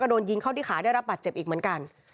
โดนยิงเข้าที่ขาได้รับบาดเจ็บอีกเหมือนกัน